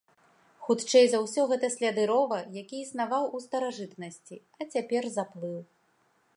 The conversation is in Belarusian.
Хутчэй за ўсё гэта сляды рова, які існаваў у старажытнасці, а цяпер заплыў.